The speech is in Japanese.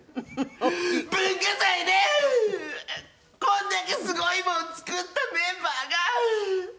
こんだけすごいもん作ったメンバーが！